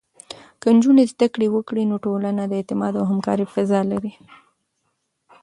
که نجونې زده کړه وکړي، نو ټولنه د اعتماد او همکارۍ فضا لري.